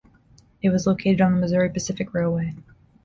It was located on the Missouri Pacific Railway.